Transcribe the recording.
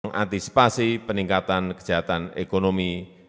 mengantisipasi peningkatan kejahatan ekonomi